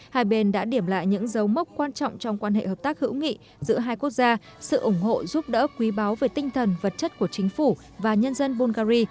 hai bên đã điểm lại những dấu mốc quan trọng trong quan hệ hợp tác hữu nghị giữa hai quốc gia sự ủng hộ giúp đỡ quý báo về tinh thần vật chất của chính phủ và nhân dân bungary